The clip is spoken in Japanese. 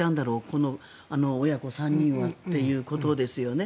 この親子３人はということですよね。